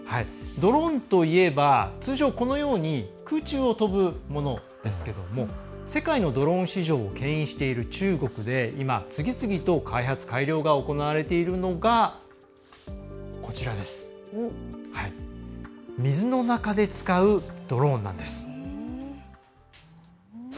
ドローンといえば通常このように空中を飛ぶものですけども世界のドローン市場をけん引している中国で今、次々と開発・改良が行われているのが水の中で使うドローンなんです。